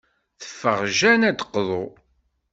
Teffeɣ Jane ad d-teqḍu.